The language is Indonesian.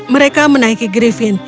mereka menaiki griffin